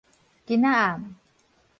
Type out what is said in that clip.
今仔暗